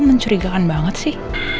berdekatan banget sih